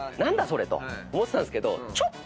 それと思ってたんですけど。